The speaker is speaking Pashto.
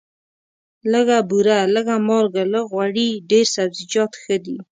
لږه بوره، لږه مالګه، لږ غوړي، ډېر سبزیجات ښه دي.